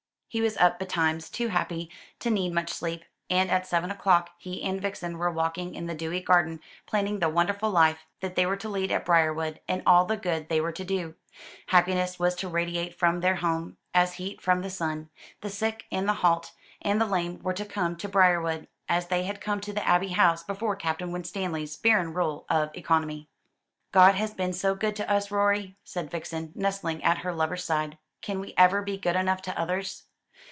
He was up betimes, too happy to need much sleep, and at seven o'clock he and Vixen were walking in the dewy garden, planning the wonderful life they were to lead at Briarwood, and all the good they were to do. Happiness was to radiate from their home, as heat from the sun. The sick, and the halt, and the lame were to come to Briarwood; as they had come to the Abbey House before Captain Winstanley's barren rule of economy. "God has been so good to us, Rorie," said Vixen, nestling at her lover's side. "Can we ever be good enough to others?"